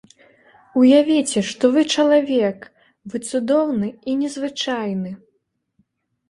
Уявіце, што вы чалавек, вы цудоўны і незвычайны!